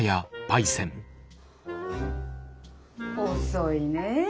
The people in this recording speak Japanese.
遅いねえ。